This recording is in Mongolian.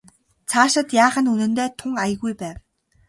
Цаашид яах нь үнэндээ тун аягүй байв.